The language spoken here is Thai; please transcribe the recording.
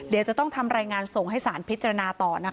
เดี๋ยวจะต้องทำรายงานส่งให้สารพิจารณาต่อนะคะ